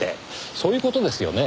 そういう事ですよね？